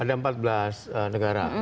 ada empat belas negara